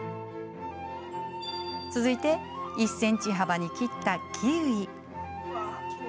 続いて１ｃｍ幅に切ったキウイ。